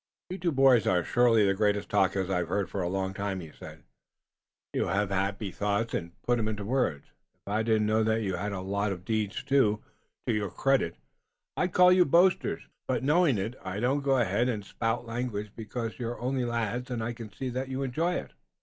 "You two boys are surely the greatest talkers I've heard for a long time," he said. "You have happy thoughts and you put 'em into words. If I didn't know that you had a lot of deeds, too, to your credit, I'd call you boasters, but knowing it, I don't. Go ahead and spout language, because you're only lads and I can see that you enjoy it."